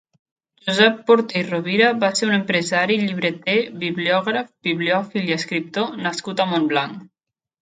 Josep Porter i Rovira va ser un empresari, llibreter, bibliògraf, bibliòfil i escriptor nascut a Montblanc.